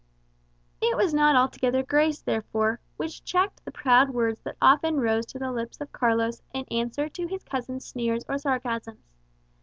It was not altogether grace, therefore, which checked the proud words that often rose to the lips of Carlos in answer to his cousin's sneers or sarcasms.